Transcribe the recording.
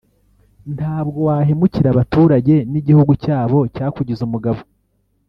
ntabwo wahemukira abaturage n’igihugu cyabo cyakugize umugabo